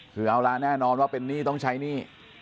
คือเอาร้านแน่นอนว่าเป็นนี่ต้องใช้นี่